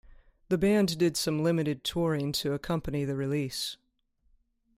The band did some limited touring to accompany the release.